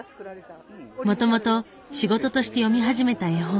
もともと仕事として読み始めた絵本。